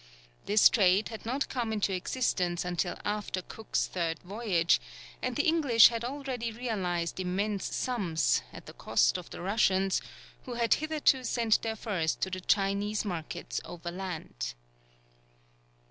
This trade had not come into existence until after Cook's third voyage, and the English had already realized immense sums, at the cost of the Russians, who had hitherto sent their furs to the Chinese markets overland.